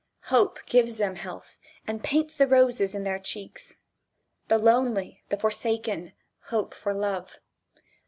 Hope gives them health and paints the roses in their cheeks. The lonely, the forsaken, hope for love.